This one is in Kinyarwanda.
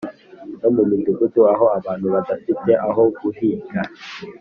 no mu midugudu, aho abantu badafite aho guhinga